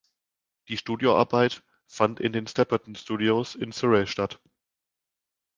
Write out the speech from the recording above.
Die Studioarbeit fand in den Shepperton Studios in Surrey statt.